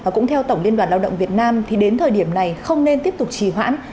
cũng theo tổng liên đoàn lao động việt nam đến thời điểm này không nên tiếp tục trì hoãn